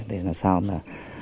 để làm sao mà